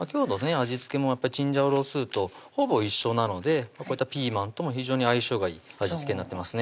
味付けもチンジャオロースーとほぼ一緒なのでこういったピーマンとも非常に相性がいい味付けになってますね